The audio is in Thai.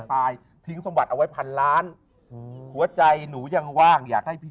ตายทิ้งสมบัติเอาไว้พันล้านหัวใจหนูยังว่างอยากให้พี่